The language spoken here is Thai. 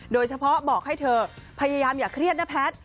เขาบอกให้เธอพยายามอย่าเครียดนะแพทย์